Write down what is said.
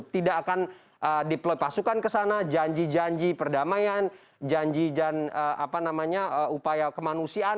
tidak akan deploy pasukan ke sana janji janji perdamaian janji janjian apa namanya upaya kemanusiaan